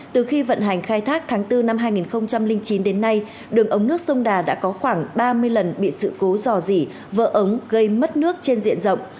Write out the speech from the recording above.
từ khi vận hành khai thác tháng bốn năm hai nghìn chín đến nay đường ống nước sông đà đã có khoảng ba mươi lần bị sự cố dò dỉ vỡ ống gây mất nước trên diện rộng